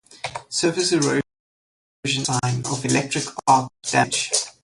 Surface erosion is a typical sign of electric arc damage.